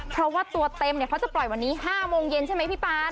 เพราะว่าตัวเต็มเขาจะปล่อยวันนี้๕โมงเย็นใช่ไหมพี่ป๊า